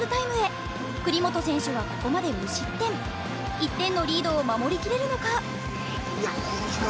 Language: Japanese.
１点のリードを守りきれるのか？